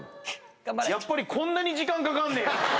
やっぱりこんなに時間かかんねや。